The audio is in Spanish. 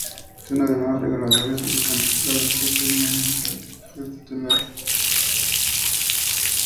Son, además, reguladores importantes de la respuesta inmune y de la homeostasis tisular.